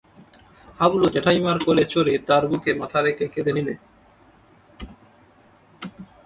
হাবলু জ্যাঠাইমার কোলে চড়ে তার বুকে মাথা রেখে কেঁদে নিলে।